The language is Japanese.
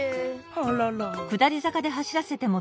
あらら。